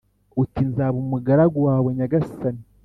uti ‘Nzaba umugaragu wawe, nyagasani